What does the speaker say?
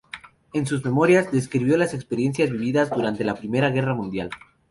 En sus memorias, describió las experiencias vividas durante la Primera Guerra Mundial.